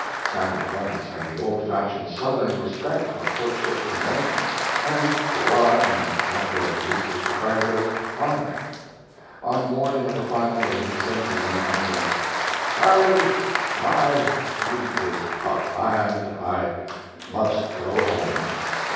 Samuel Clemens had the old fashioned Southern respect for courtship conventions, and for what, in that day at least, was regarded as honor. On the morning of the final day he said to young Langdon: "Charley, my week is up, and I must go home."